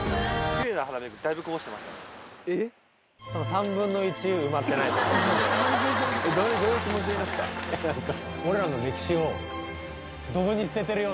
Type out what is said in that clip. ３分の１埋まってないと思うんでどういう気持ちですか？